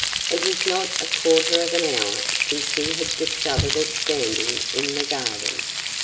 It was not a quarter of an hour since he had discovered it standing in the garden.